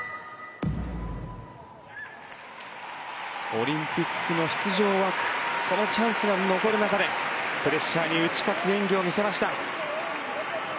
オリンピックの出場枠そのチャンスが残る中でプレッシャーに打ち勝つ演技を見せました。